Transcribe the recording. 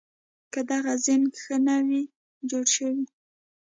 که دغه زېنک ښه نه وي جوړ شوي